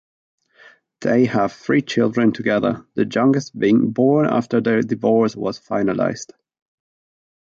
They have three children together, the youngest being born after their divorce was finalized.